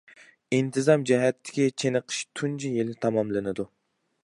ئىنتىزام جەھەتتىكى چېنىقىش تۇنجى يىلى تاماملىنىدۇ.